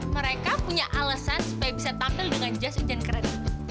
mereka punya alesan supaya bisa tampil dengan jas hujan keren